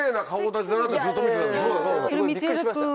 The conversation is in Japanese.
それびっくりしました。